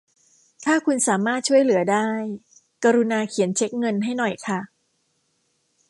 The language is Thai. ถ้าคุณสามารถช่วยเหลือได้ กรุณาเขียนเช็คเงินให้หน่อยค่ะ